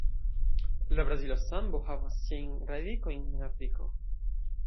La brazila sambo havas siajn radikojn en Afriko.